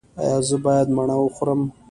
ایا زه باید مڼه وخورم؟